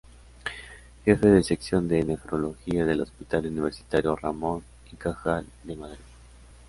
Jefe de Sección de Nefrología del Hospital Universitario Ramón y Cajal de Madrid.